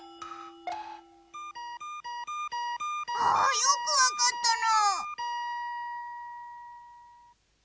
あよくわかったな。